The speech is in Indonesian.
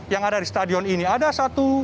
yang ada di stadion ini ada satu